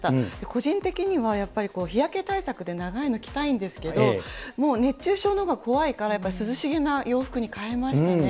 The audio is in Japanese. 個人的にはやっぱり日焼け対策で長いの着たいんですけど、もう、熱中症のほうが怖いから、やっぱり涼しげな洋服に変えましたね。